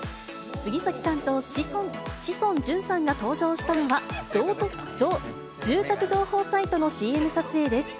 杉崎さんと志尊淳さんが登場したのは、住宅情報サイトのＣＭ撮影です。